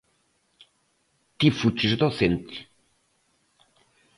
Ti fuches docente.